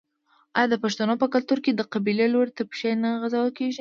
آیا د پښتنو په کلتور کې د قبلې لوري ته پښې نه غځول کیږي؟